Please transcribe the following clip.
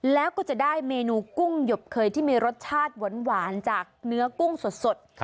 แล้วก็จะได้เมนูกุ้งหยบเคยที่มีรสชาติหวานจากเนื้อกุ้งสด